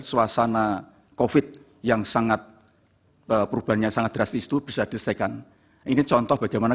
suasana kofit yang sangat perubahannya sangat drastis itu bisa diselesaikan ini contoh bagaimana